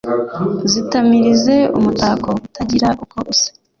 zitamirize umutako utagira uko usa,